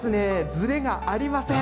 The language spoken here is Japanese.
ずれがありません。